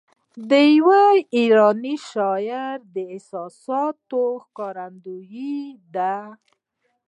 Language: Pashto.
د یوه ایراني شاعر د احساساتو ښکارندوی ده.